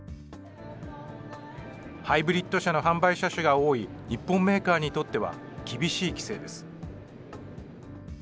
ハイブリッド車の販売車種が多い日本メーカーにとっては、厳しい規制です。